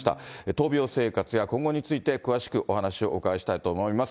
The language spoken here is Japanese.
闘病生活や今後について、詳しくお話をお伺いしたいと思います。